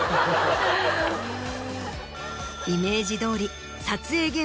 イメージどおり。